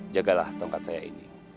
jagalah tongkat saya ini